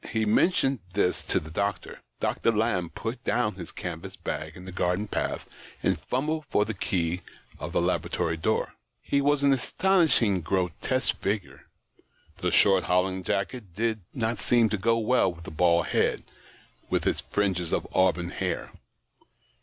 He mentioned this to the doctor. Dr. Lamb put down his canvas bag in the garden path, and fumbled for the key of the laboratory door. He was an astonishing grotesque figure ; the short holland jacket did not seem to go well with the bald head, with its fringe of auburn hair.